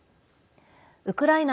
ウクライナ